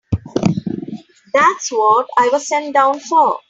That's what I was sent down for.